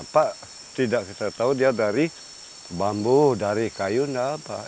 pak tidak kita tahu dia dari bambu dari kayunya pak